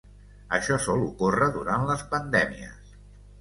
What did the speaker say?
Això sol ocórrer durant les pandèmies.